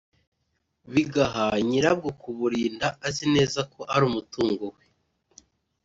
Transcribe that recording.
bigaha nyira bwo kuburinda azi neza ko ari umutungo we